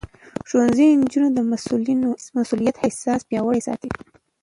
ښوونځی نجونې د مسؤليت احساس پياوړې ساتي.